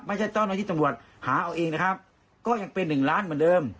เจ้าหน้าที่ตำรวจหาเอาเองนะครับก็ยังเป็นหนึ่งล้านเหมือนเดิม